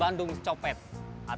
kampus kondisi medan